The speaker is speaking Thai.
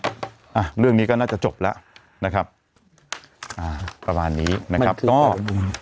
อ่ะเรื่องนี้ก็น่าจะจบแล้วนะครับอ่าประมาณนี้นะครับก็